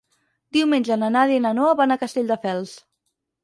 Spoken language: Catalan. Diumenge na Nàdia i na Noa van a Castelldefels.